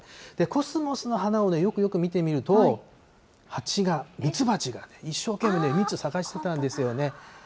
コスモスの花をよくよく見てみると、ハチが、ミツバチが一生懸命蜜探してたんですよね。